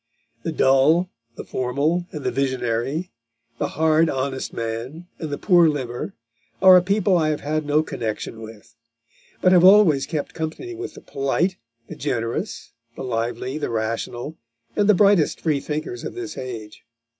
The dull, the formal, and the visionary, the hard honest man, and the poor liver, are a people I have had no connection with; but have always kept company with the polite, the generous, the lively, the rational, and the brightest freethinkers of this age.